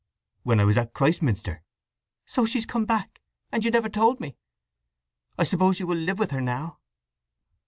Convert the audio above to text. "When I was at Christminster." "So she's come back; and you never told me! I suppose you will live with her now?"